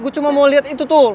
gue cuma mau lihat itu tuh